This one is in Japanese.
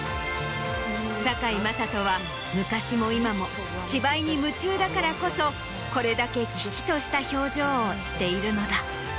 堺雅人は昔も今も芝居に夢中だからこそこれだけ喜々とした表情をしているのだ。